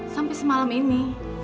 sampai semalam ini